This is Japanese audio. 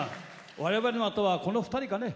我々のあとはこの２人かね？